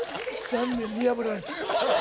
残念見破られた。